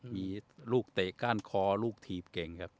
มีลูกเต๊กก้านคอลูกทีบเก่ง